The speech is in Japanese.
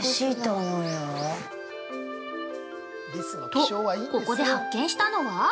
◆と、ここで発見したのは？